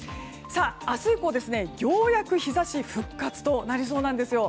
明日以降、ようやく日差し復活となりそうです。